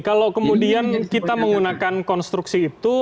kalau kemudian kita menggunakan konstruksi itu